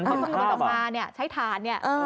พอมันออกมานี่ใช้ฐานนี่